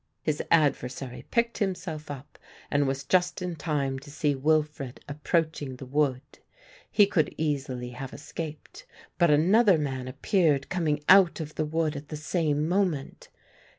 His adversary picked himself up and was just in time to see Wilfred approaching the wood. He would easily have escaped, but another man appeared coming out of the wood at the same moment.